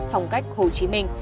phong cách hồ chí minh